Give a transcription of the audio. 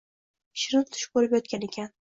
Shirin tush ko‘rib yotgan ekan